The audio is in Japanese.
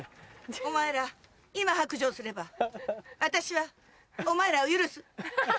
お前ら今白状すれば私はお前らを許す。